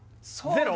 ゼロ？